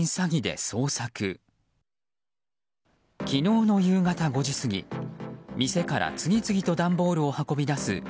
昨日の夕方５時過ぎ店から次々と段ボールを運び出す